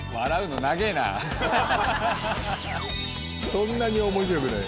そんなに面白くない。